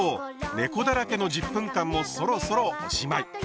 ねこだらけの１０分間もそろそろおしまい。